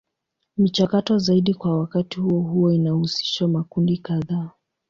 Michakato zaidi kwa wakati huo huo inahusisha makundi kadhaa.